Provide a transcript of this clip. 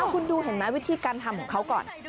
คุณดูเห็นไหมวิธีการทำของเขาก่อน